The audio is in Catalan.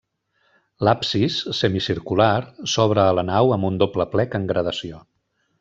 L'absis, semicircular, s'obre a la nau amb un doble plec en gradació.